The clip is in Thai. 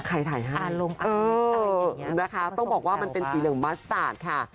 ใครถ่ายให้อารมณ์อันนี้ต้องบอกว่ามันเป็นสีเหลืองมัสตาร์ดค่ะ